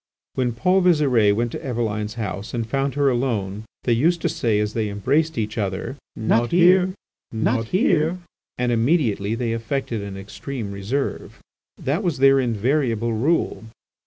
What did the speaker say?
When Paul Visire went to Eveline's house and found her alone, they used to say, as they embraced each other; "Not here! not here!" and immediately they affected an extreme reserve. That was their invariable rule.